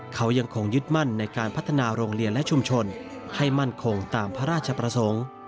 เขายังคงยึดมั่นในการพัฒนาโรงเรียนและชุมชนให้มั่นคงตามพระราชประสงค์